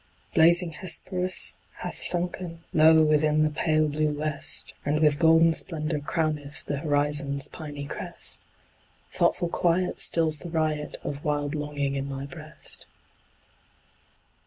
Blazing Hesperus hath sunken Low within the pale blue west, And with golden splendor crowneth The horizon's piny crest; Thoughtful quiet stills the riot Of wild longing in my breast.